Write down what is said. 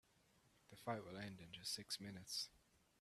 The fight will end in just six minutes.